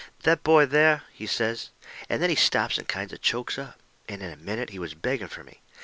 "That boy there," he says. And then he stops and kind of chokes up. And in a minute he was begging fur me.